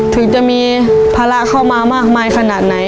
ถึงจะมีภาระเข้ามามากมายขนาดไหน